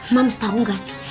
mams tau gak sih